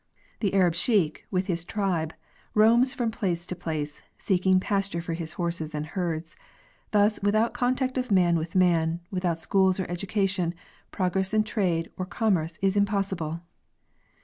The Arab sheik with his tribe roams from place to place seeking pasture for his horses and herds. Thus, without contact of man with man, without schools or education, progress in trade or commerce is impossible.